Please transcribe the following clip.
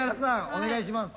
お願いします。